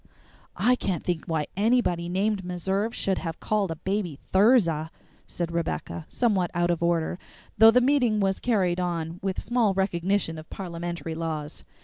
"I can't think why anybody named Meserve should have called a baby Thirza," said Rebecca, somewhat out of order, though the meeting was carried on with small recognition of parliamentary laws.